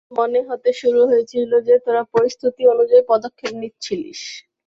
আমার তো মনে হতে শুরু হয়েছিল যে, তোরা পরিস্থিতি অনুযায়ী পদক্ষেপ নিচ্ছিলিস।